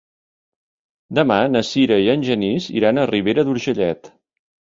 Demà na Sira i en Genís iran a Ribera d'Urgellet.